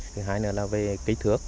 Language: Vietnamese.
thứ hai nữa là về kích thước